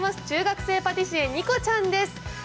中学生パティシエ、仁子ちゃんです。